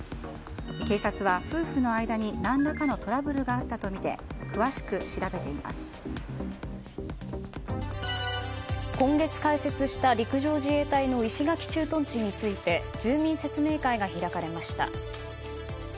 警察は夫婦の間に何らかのトラブルがあったとみて今月開設した陸上自衛隊の石垣駐屯地について住民説明会が開かれました。